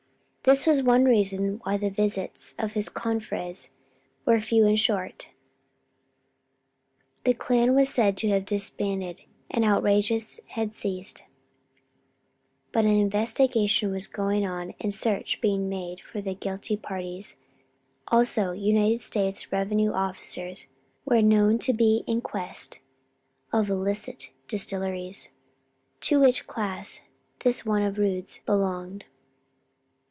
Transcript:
This was one reason why the visits of his confreres were few and short. The Klan was said to have disbanded and outrages had ceased, but an investigation was going on and search being made for the guilty parties; also United States revenue officers were known to be in quest of illicit distilleries; to which class this one of Rood's belonged.